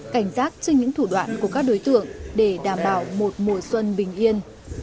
cảnh sát trên những thủ đoạn của các đối tượng để đảm bảo một mùa xuân bình yên